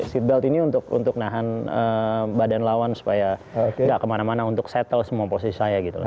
seatbelt ini untuk nahan badan lawan supaya gak kemana mana untuk settle semua posisi saya gitu loh